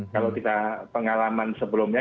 kalau kita pengalaman sebelumnya